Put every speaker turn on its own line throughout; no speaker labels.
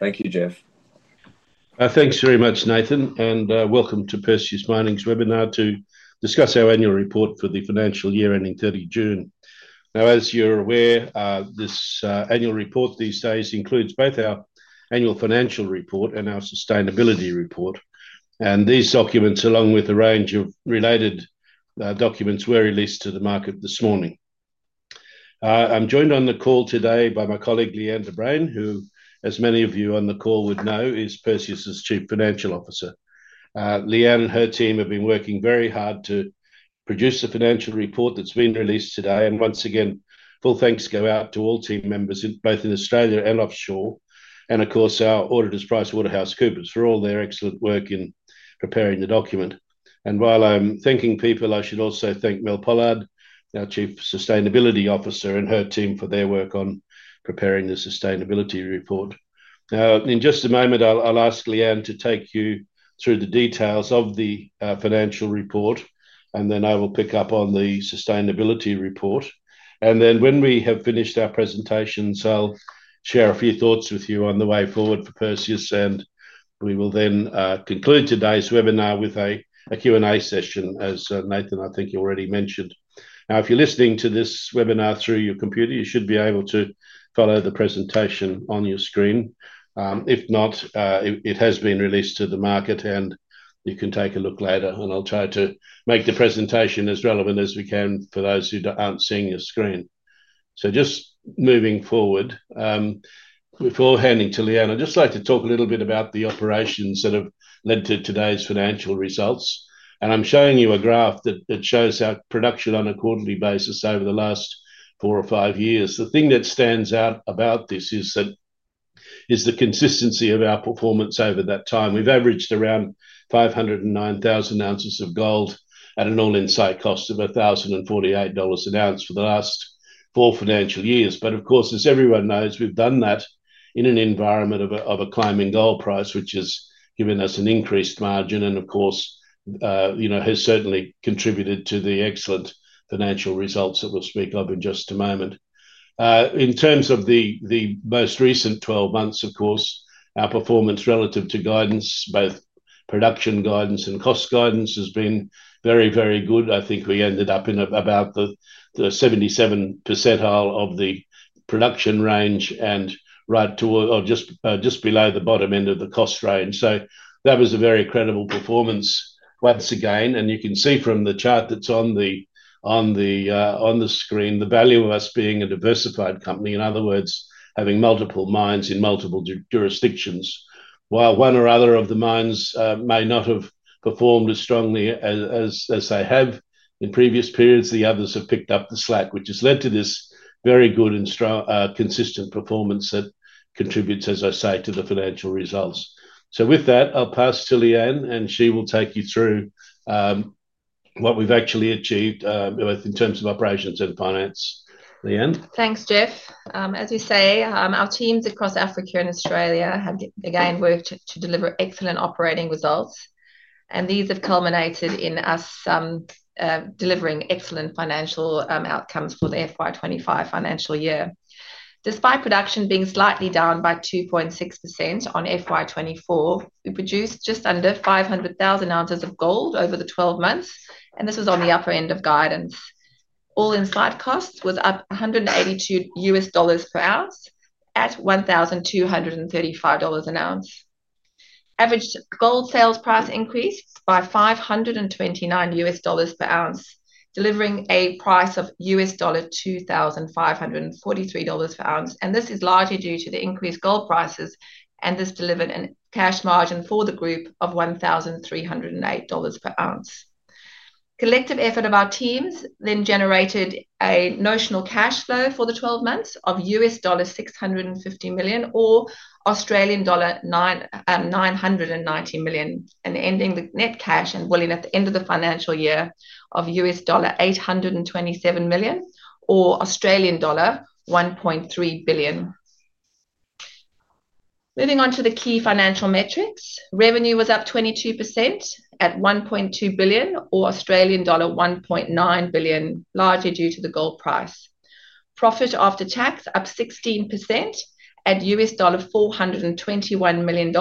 Thank you, Jeff.
Thanks very much, Nathan, and welcome to Perseus Mining's Webinar to discuss our Annual Report for the Financial year ending 30 June. As you're aware, this annual report these days includes both our annual financial report and our sustainability report. These documents, along with a range of related documents, were released to the market this morning. I'm joined on the call today by my colleague Lee-Anne de Bruin, who, as many of you on the call would know, is Perseus's Chief Financial Officer. Lee-Anne and her team have been working very hard to produce the financial report that's been released today. Full thanks go out to all team members, both in Australia and offshore, and of course, our auditors, PricewaterhouseCoopers, for all their excellent work in preparing the document. While I'm thanking people, I should also thank Mel Pollard, our Chief Sustainability Officer, and her team for their work on preparing the sustainability report. In just a moment, I'll ask Lee-Anne to take you through the details of the financial report, and then I will pick up on the sustainability report. When we have finished our presentations, I'll share a few thoughts with you on the way forward for Perseus, and we will then conclude today's webinar with a Q&A session, as Nathan I think you already mentioned. If you're listening to this webinar through your computer, you should be able to follow the presentation on your screen. If not, it has been released to the market, and you can take a look later. I'll try to make the presentation as relevant as we can for those who aren't seeing your screen. Just moving forward, before handing to Lee-Anne, I'd like to talk a little bit about the operations that have led to today's financial results. I'm showing you a graph that shows our production on a quarterly basis over the last four or five years. The thing that stands out about this is the consistency of our performance over that time. We've averaged around 509,000 oz of gold at an all-in site cost of $1,048 an ounce for the last four financial years. Of course, as everyone knows, we've done that in an environment of a climbing gold price, which has given us an increased margin and, of course, has certainly contributed to the excellent financial results that we'll speak of in just a moment. In terms of the most recent 12 months, of course, our performance relative to guidance, both production guidance and cost guidance, has been very, very good. I think we ended up in about the 77% percentile of the production range and right to just below the bottom end of the cost range. That was a very credible performance once again. You can see from the chart that's on the screen the value of us being a diversified company, in other words, having multiple mines in multiple jurisdictions. While one or other of the mines may not have performed as strongly as they have in previous periods, the others have picked up the slack, which has led to this very good and consistent performance that contributes, as I say, to the financial results. With that, I'll pass to Lee-Anne, and she will take you through what we've actually achieved in terms of operations and finance. Lee-Anne?
Thanks, Jeff. As we say, our teams across Africa and Australia have, again, worked to deliver excellent operating results. These have culminated in us delivering excellent financial outcomes for the FY 2025 financial year. Despite production being slightly down by 2.6% on FY 2024, we produced just under 500,000 oz of gold over the 12 months, and this was on the upper end of guidance. All-in site cost was up $182 per ounce at $1,235 an ounce. Average gold sales price increased by $529 per ounce, delivering a price of $2,543 per ounce. This is largely due to the increased gold prices, and this delivered a cash margin for the group of $1,308 per ounce. The collective effort of our teams then generated a notional cash flow for the 12 months of $650 million or Australian dollar 990 million, and ending the net cash and volume at the end of the financial year of $827 million or Australian dollar 1.3 billion. Moving on to the key financial metric, revenue was up 22% at $1.2 billion or Australian dollar 1.9 billion, largely due to the gold price. Profit after tax up 16% at $421 million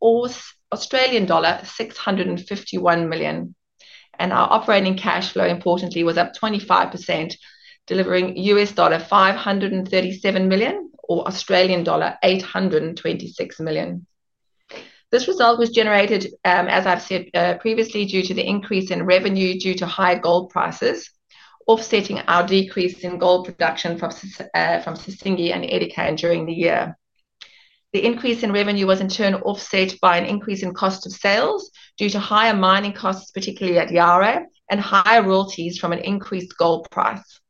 or Australian dollar 651 million. Our operating cash flow, importantly, was up 25%, delivering $537 million or Australian dollar 826 million. This result was generated, as I've said previously, due to the increase in revenue due to high gold prices, offsetting our decrease in gold production from Sissingué and Edikan during the year. The increase in revenue was in turn offset by an increase in cost of sales due to higher mining costs, particularly at Yaouré, and higher royalties from an increased gold price.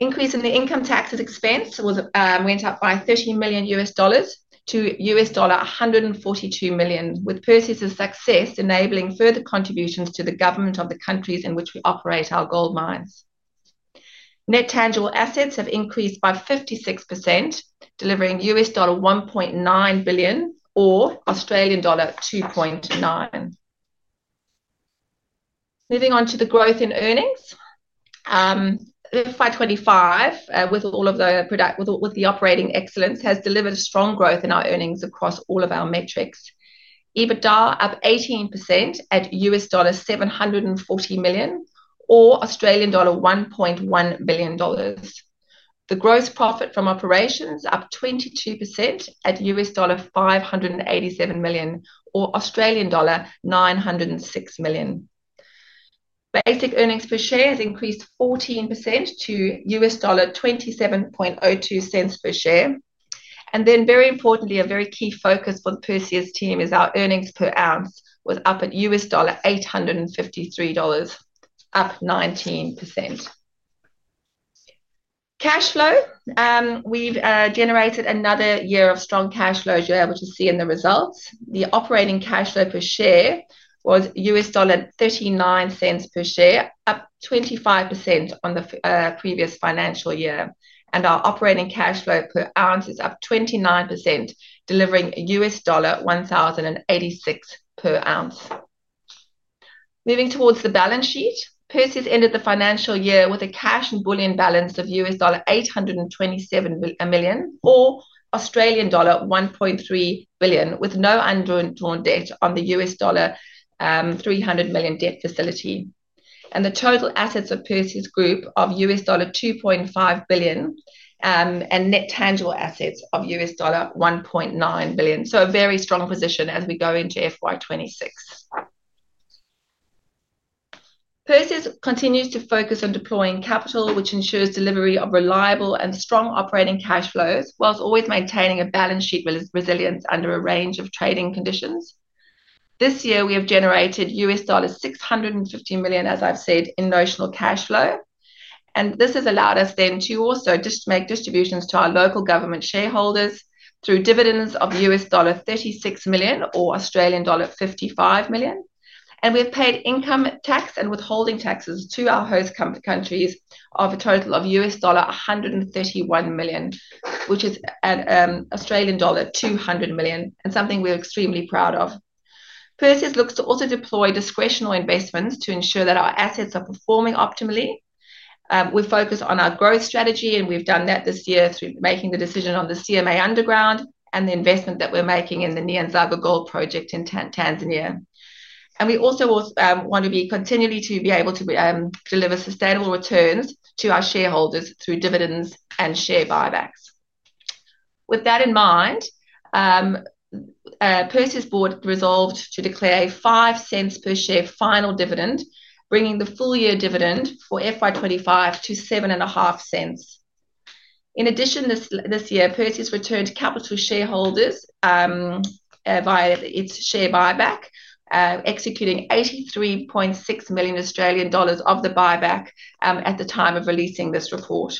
The increase in the income taxes expense went up by $30 million-$142 million, with Perseus's success enabling further contributions to the government of the countries in which we operate our gold mines. Net tangible assets have increased by 56%, delivering $1.9 billion or Australian dollar 2.9 billion. Moving on to the growth in earnings, FY 2025, with all of the operating excellence, has delivered a strong growth in our earnings across all of our metrics. EBITDA up 18% at $740 million or Australian dollar 1.1 billion. The gross profit from operations up 22% at $587 million or Australian dollar 906 million. Basic earnings per share has increased 14% to $27.02 per share. A very key focus for the Perseus team is our earnings per ounce, which was up at $853, up 19%. Cash flow, we've generated another year of strong cash flow, as you're able to see in the results. The operating cash flow per share was $0.39 per share, up 25% on the previous financial year. Our operating cash flow per ounce is up 29%, delivering $1,086 per ounce. Moving towards the balance sheet, Perseus ended the financial year with a cash and bullion balance of $827 million or Australian dollar 1.3 billion, with no undrawn debt on the $300 million debt facility. The total assets of Perseus Group are $2.5 billion and net tangible assets of $1.9 billion. This is a very strong position as we go into FY 2026. Perseus continues to focus on deploying capital, which ensures delivery of reliable and strong operating cash flows, whilst always maintaining a balance sheet resilience under a range of trading conditions. This year, we have generated $650 million, as I've said, in notional cash flow. This has allowed us then to also make distributions to our local government shareholders through dividends of $36 million or Australian dollar 55 million. We've paid income tax and withholding taxes to our host countries of a total of $131 million, which is Australian dollar 200 million, and something we're extremely proud of. Perseus looks to also deploy discretionary investments to ensure that our assets are performing optimally. We focus on our growth strategy, and we've done that this year through making the decision on the CMA Underground and the investment that we're making in the Nyanzaga Gold Project in Tanzania. We also want to be continually able to deliver sustainable returns to our shareholders through dividends and share buybacks. With that in mind, Perseus Board resolved to declare a $0.05 per share final dividend, bringing the full year dividend for FY 2025 to $0.075. In addition, this year, Perseus returned to capital shareholders via its share buyback, executing 83.6 million Australian dollars of the buyback at the time of releasing this report.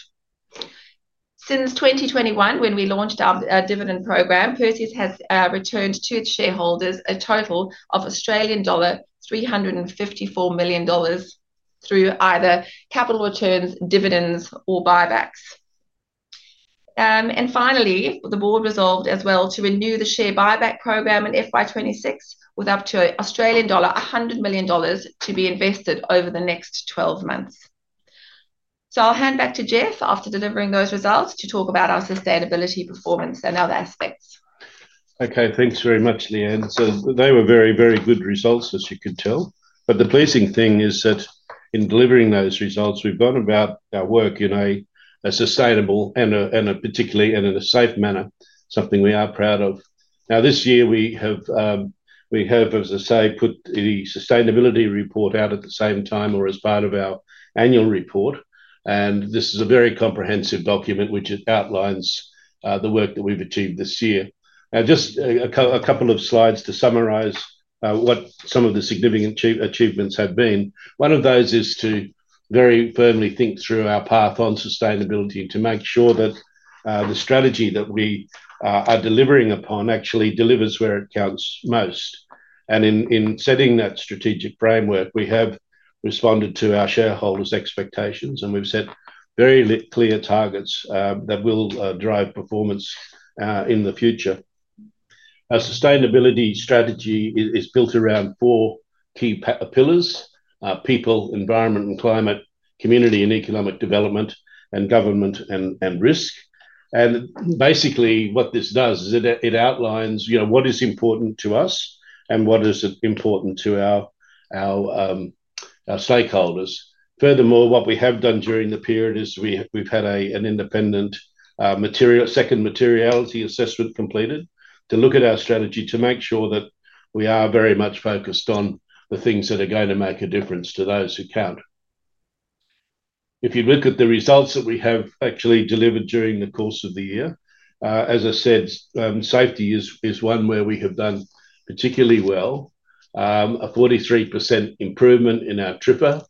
Since 2021, when we launched our dividend program, Perseus has returned to its shareholders a total of Australian dollar 354 million through either capital returns, dividends, or buybacks. The Board resolved as well to renew the share buyback program in FY 2026 with up to Australian dollar 100 million to be invested over the next 12 months. I'll hand back to Jeff after delivering those results to talk about our sustainability performance and other aspects.
Okay, thanks very much, Lee-Anne. They were very, very good results, as you could tell. The pleasing thing is that in delivering those results, we've gone about our work in a sustainable and particularly in a safe manner, something we are proud of. This year, we have, as I say, put the sustainability report out at the same time or as part of our annual report. This is a very comprehensive document, which outlines the work that we've achieved this year. Just a couple of slides to summarize what some of the significant achievements have been. One of those is to very firmly think through our path on sustainability and to make sure that the strategy that we are delivering upon actually delivers where it counts most. In setting that strategic framework, we have responded to our shareholders' expectations, and we've set very clear targets that will drive performance in the future. Our sustainability strategy is built around four key pillars: people, environment and climate, community and economic development, and government and risk. Basically, what this does is it outlines what is important to us and what is important to our stakeholders. Furthermore, what we have done during the period is we've had an independent second materiality assessment completed to look at our strategy to make sure that we are very much focused on the things that are going to make a difference to those who count. If you look at the results that we have actually delivered during the course of the year, as I said, safety is one where we have done particularly well, a 43% improvement in our TRIFA,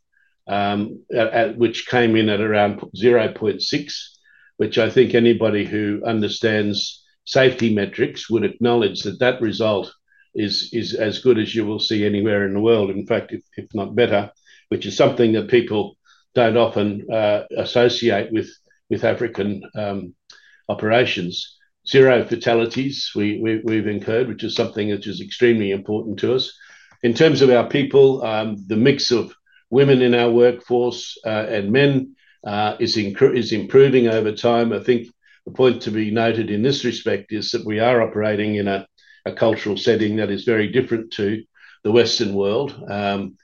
which came in at around 0.6, which I think anybody who understands safety metrics would acknowledge that that result is as good as you will see anywhere in the world, in fact, if not better, which is something that people don't often associate with African operations. Zero fatalities we've incurred, which is something which is extremely important to us. In terms of our people, the mix of women in our workforce and men is improving over time. I think the point to be noted in this respect is that we are operating in a cultural setting that is very different to the Western world. The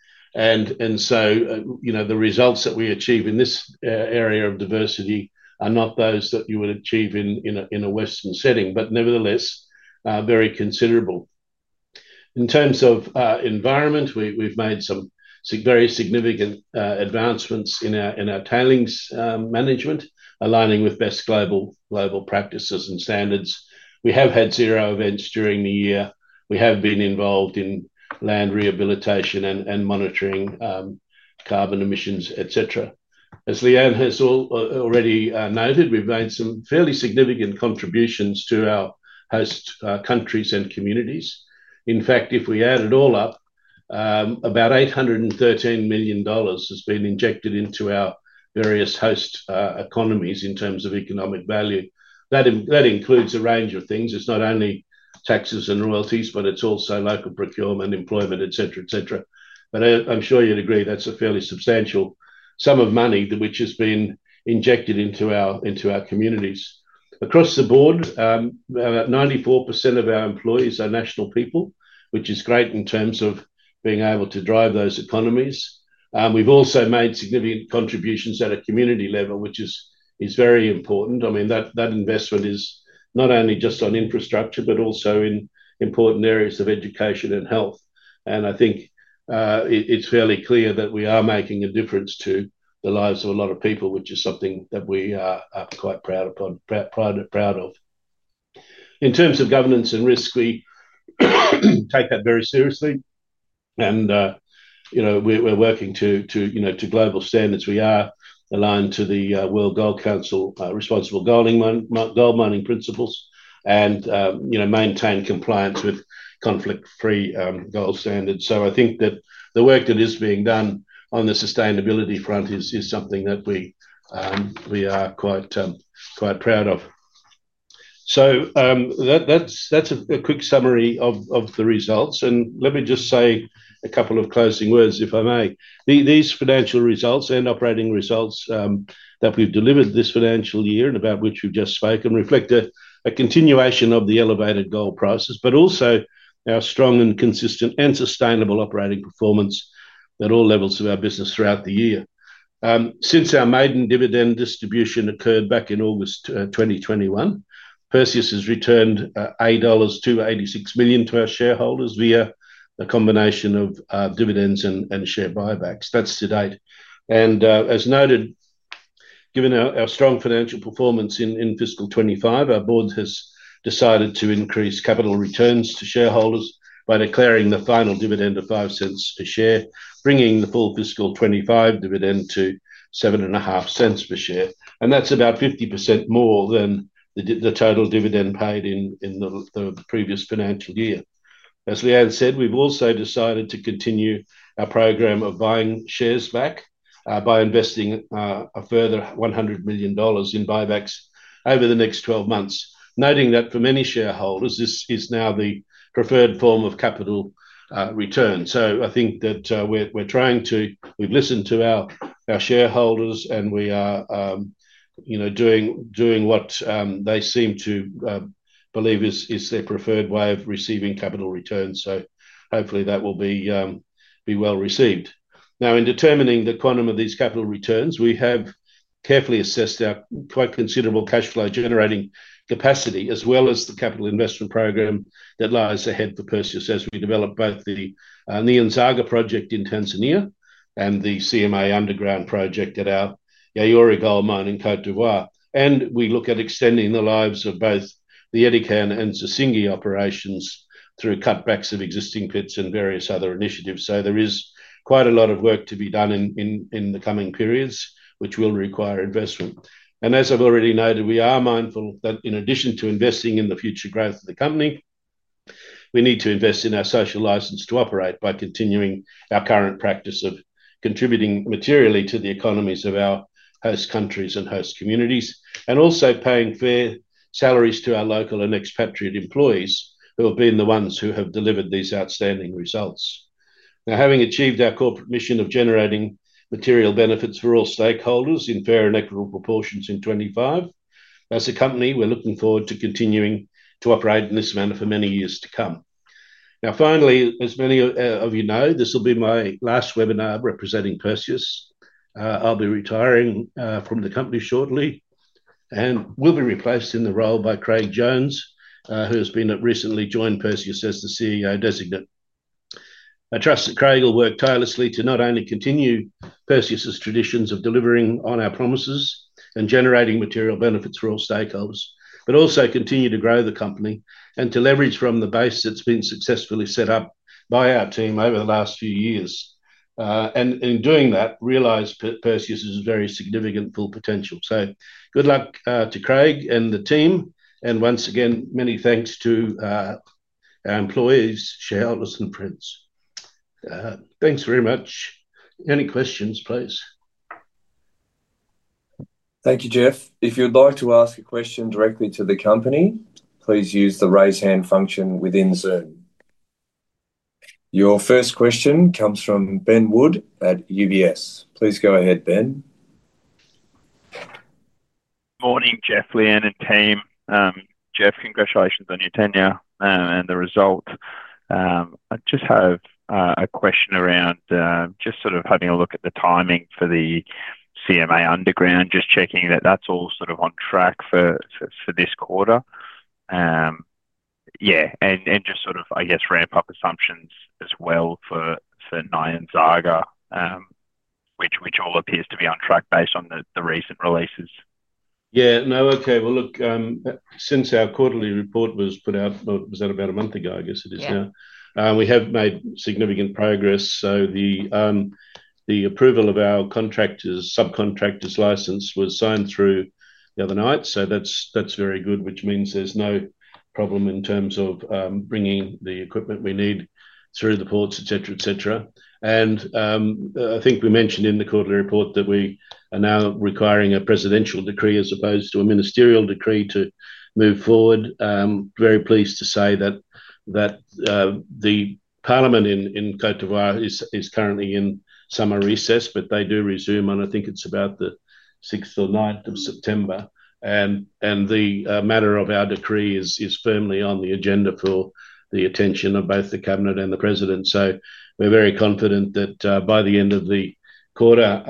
results that we achieve in this area of diversity are not those that you would achieve in a Western setting, but nevertheless, very considerable. In terms of environment, we've made some very significant advancements in our tailings management, aligning with best global practices and standards. We have had zero events during the year. We have been involved in land rehabilitation and monitoring carbon emissions, etc. As Lee-Anne has already noted, we've made some fairly significant contributions to our host countries and communities. In fact, if we add it all up, about $813 million has been injected into our various host economies in terms of economic value. That includes a range of things. It's not only taxes and royalties, but it's also local procurement, employment, etc. I'm sure you'd agree that's a fairly substantial sum of money which has been injected into our communities. Across the board, about 94% of our employees are national people, which is great in terms of being able to drive those economies. We've also made significant contributions at a community level, which is very important. That investment is not only just on infrastructure, but also in important areas of education and health. I think it's fairly clear that we are making a difference to the lives of a lot of people, which is something that we are quite proud of. In terms of governance and risk, we take that very seriously. You know, we're working to global standards. We are aligned to the World Gold Council Responsible Gold Mining Principles and maintain compliance with conflict-free gold standards. I think that the work that is being done on the sustainability front is something that we are quite proud of. That's a quick summary of the results. Let me just say a couple of closing words, if I may. These financial results and operating results that we've delivered this financial year and about which we've just spoken reflect a continuation of the elevated gold prices, but also our strong and consistent and sustainable operating performance at all levels of our business throughout the year. Since our maiden dividend distribution occurred back in August 2021, Perseus has returned $8.286 million to our shareholders via a combination of dividends and share buybacks. That's to date. As noted, given our strong financial performance in fiscal 2025, our board has decided to increase capital returns to shareholders by declaring the final dividend of $0.05 per share, bringing the full fiscal 2025 dividend to $0.075 per share. That's about 50% more than the total dividend paid in the previous financial year. As Lee-Anne said, we've also decided to continue our program of buying shares back by investing a further $100 million in share buybacks over the next 12 months, noting that for many shareholders, this is now the preferred form of capital return. I think that we've listened to our shareholders, and we are doing what they seem to believe is their preferred way of receiving capital returns. Hopefully, that will be well received. In determining the quantum of these capital returns, we have carefully assessed our quite considerable cash flow-generating capacity, as well as the capital investment program that lies ahead for Perseus as we develop both the Nyanzaga Project in Tanzania and the CMA Underground project at our Yaouré Gold Mine in Côte d’Ivoire. We look at extending the lives of both the Edikan and Sissingué operations through cutbacks of existing pits and various other initiatives. There is quite a lot of work to be done in the coming periods, which will require investment. As I've already noted, we are mindful that in addition to investing in the future growth of the company, we need to invest in our social license to operate by continuing our current practice of contributing materially to the economies of our host countries and host communities, and also paying fair salaries to our local and expatriate employees who have been the ones who have delivered these outstanding results. Having achieved our corporate mission of generating material benefits for all stakeholders in fair and equitable proportions in 2025, as a company, we're looking forward to continuing to operate in this manner for many years to come. Finally, as many of you know, this will be my last webinar representing Perseus. I'll be retiring from the company shortly and will be replaced in the role by Craig Jones, who has recently joined Perseus as the CEO designate. I trust that Craig will work tirelessly to not only continue Perseus's traditions of delivering on our promises and generating material benefits for all stakeholders, but also continue to grow the company and to leverage from the base that's been successfully set up by our team over the last few years. In doing that, realize Perseus's very significant full potential. Good luck to Craig and the team, and once again, many thanks to our employees, shareholders, and friends. Thanks very much. Any questions, please?
Thank you, Jeff. If you'd like to ask a question directly to the company, please use the raise hand function within Zoom. Your first question comes from Ben Wood at UBS. Please go ahead, Ben.
Morning, Jeff, Lee-Anne and team. Jeff, congratulations on your tenure and the result. I just have a question around just sort of having a look at the timing for the CMA Underground, just checking that that's all sort of on track for this quarter. Yeah, and just sort of, I guess, ramp up assumptions as well for Nyanzaga, which all appears to be on track based on the recent releases.
Okay. Look, since our quarterly report was put out, was that about a month ago? I guess it is now. We have made significant progress. The approval of our contractor's subcontractor's license was signed through the other night. That's very good, which means there's no problem in terms of bringing the equipment we need through the ports, etc., etc. I think we mentioned in the quarterly report that we are now requiring a presidential decree as opposed to a ministerial decree to move forward. I'm very pleased to say that the Parliament in Côte d’Ivoire is currently in summer recess, but they do resume on, I think it's about the 6th or 9th of September. The matter of our decree is firmly on the agenda for the attention of both the Cabinet and the President. We're very confident that by the end of the quarter,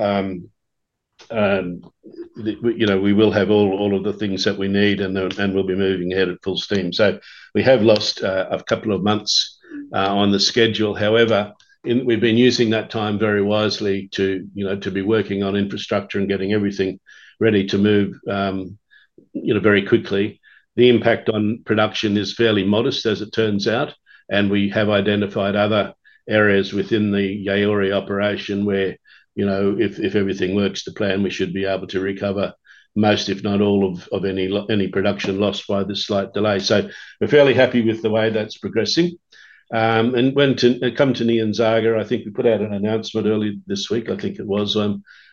we will have all of the things that we need and we'll be moving ahead at full steam. We have lost a couple of months on the schedule. However, we've been using that time very wisely to be working on infrastructure and getting everything ready to move very quickly. The impact on production is fairly modest, as it turns out. We have identified other areas within the Yaouré operation where, if everything works to plan, we should be able to recover most, if not all, of any production loss by this slight delay. We're fairly happy with the way that's progressing. When it comes to Nyanzaga, I think we put out an announcement earlier this week, I think it was.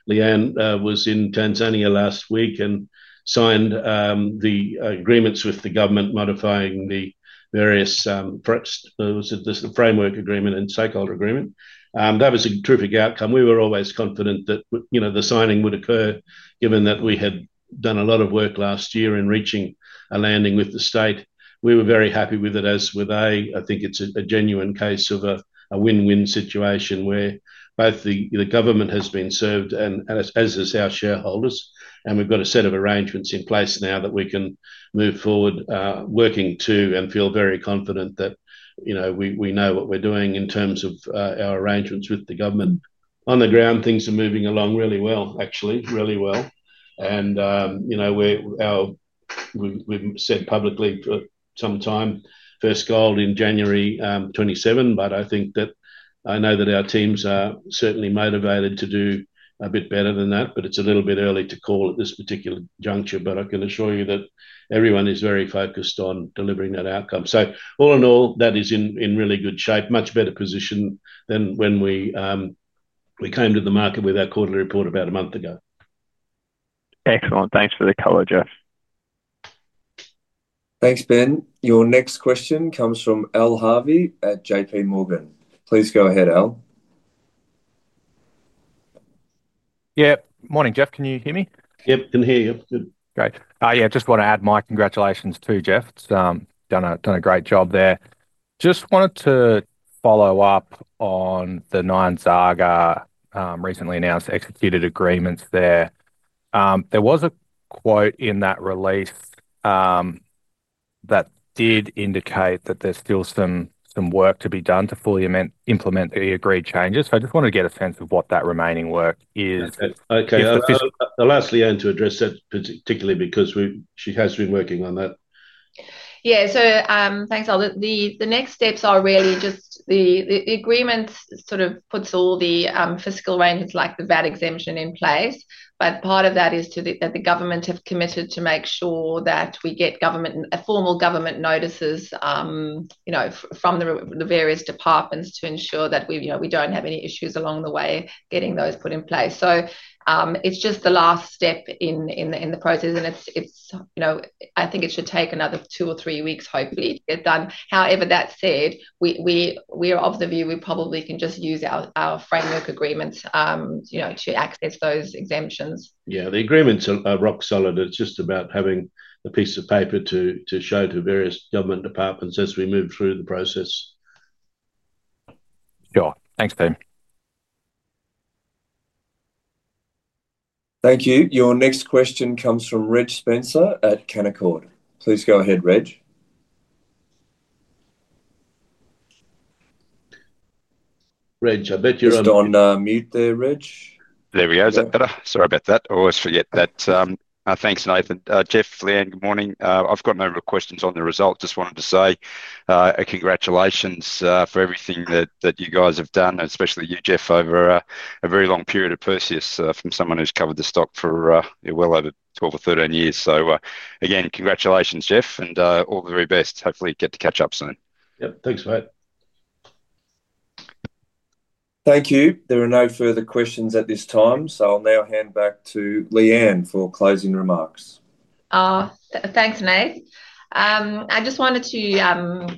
Lee-Anne was in Tanzania last week and signed the agreements with the government modifying the various, perhaps, was it the framework agreement and stakeholder agreement? That was a terrific outcome. We were always confident that the signing would occur given that we had done a lot of work last year in reaching a landing with the state. We were very happy with it, as were they. I think it's a genuine case of a win-win situation where both the government has been served and as is our shareholders. We've got a set of arrangements in place now that we can move forward working to and feel very confident that we know what we're doing in terms of our arrangements with the government. On the ground, things are moving along really well, actually, really well. We've said publicly for some time, first gold in January 2027, but I know that our teams are certainly motivated to do a bit better than that. It's a little bit early to call at this particular juncture. I can assure you that everyone is very focused on delivering that outcome. All in all, that is in really good shape, much better position than when we came to the market with our quarterly report about a month ago.
Excellent. Thanks for the color, Jeff.
Thanks, Ben. Your next question comes from Al Harvey at JPMorgan. Please go ahead, Al.
Yeah, morning, Jeff. Can you hear me?
Yep, can hear you.
Great. Yeah, I just want to add my congratulations to Jeff. He's done a great job there. Just wanted to follow up on the Nyanzaga recently announced executed agreements there. There was a quote in that release that did indicate that there's still some work to be done to fully implement the agreed changes. I just wanted to get a sense of what that remaining work is.
Okay, I'll ask Lee-Anne to address that particularly because she has been working on that.
Yeah, thanks, Al. The next steps are really just the agreement puts all the fiscal arrangements, like the VAT exemption, in place. Part of that is that the government has committed to make sure that we get formal government notices from the various departments to ensure that we don't have any issues along the way getting those put in place. It's just the last step in the process. I think it should take another two or three weeks, hopefully, to get done. However, that said, we're of the view we probably can just use our framework agreements to access those exemptions.
Yeah, the agreements are rock solid. It's just about having a piece of paper to show to various government departments as we move through the process.
Sure. Thanks, Ben.
Thank you. Your next question comes from Reg Spencer at Canaccord. Please go ahead, Reg.
Reg, I bet you're on mute there, Reg.
There he is. Sorry about that. I always forget that. Thanks, Nathan. Jeff, Lee-Anne, good morning. I've got no real questions on the result. Just wanted to say congratulations for everything that you guys have done, especially you, Jeff, over a very long period of Perseus from someone who's covered the stock for well over 12 years or 13 years. Again, congratulations, Jeff, and all the very best. Hopefully, get to catch up soon.
Yep, thanks, mate.
Thank you. There are no further questions at this time. I'll now hand back to Lee-Anne for closing remarks.
Thanks, Nathan. I just wanted to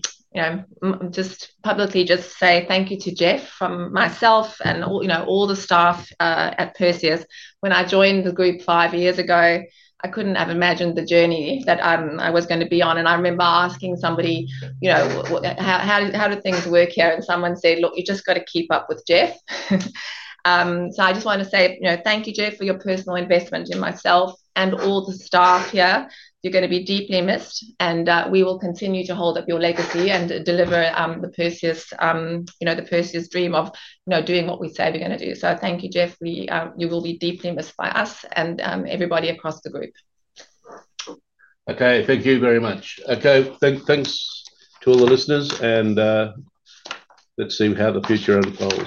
publicly say thank you to Jeff, myself, and all the staff at Perseus. When I joined the group five years ago, I couldn't have imagined the journey that I was going to be on. I remember asking somebody, you know, how do things work here? Someone said, look, you just got to keep up with Jeff. I just want to say thank you, Jeff, for your personal investment in myself and all the staff here. You're going to be deeply missed. We will continue to hold up your legacy and deliver the Perseus dream of doing what we say we're going to do. Thank you, Jeff. You will be deeply missed by us and everybody across the group.
Okay, thank you very much. Thanks to all the listeners. Let's see how the future unfolds.